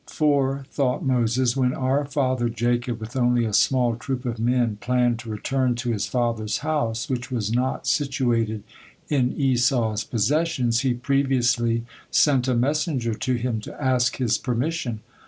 "For," thought Moses, "When our father Jacob with only a small troop of men planned to return to his father's house, which was not situated in Esau's possessions, he previously sent a messenger to him to ask his permission.